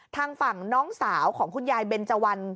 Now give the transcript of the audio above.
ทางฝั่งน้องสาวของคุณยายเบนเจวัน